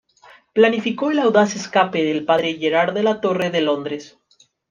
Planificó el audaz escape del padre Gerard de la Torre de Londres.